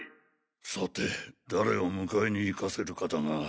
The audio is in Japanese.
さて誰を迎えに行かせるかだが。